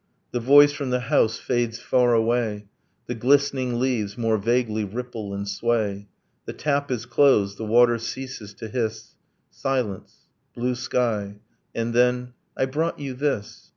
The voice from the house fades far away, The glistening leaves more vaguely ripple and sway .. The tap is closed, the water ceases to hiss ... Silence ... blue sky ... and then, 'I brought you this